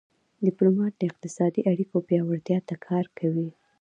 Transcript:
ډيپلومات د اقتصادي اړیکو پیاوړتیا ته کار کوي.